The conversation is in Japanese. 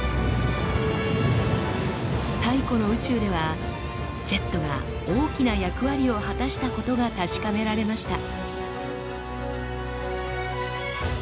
太古の宇宙ではジェットが大きな役割を果たしたことが確かめられました。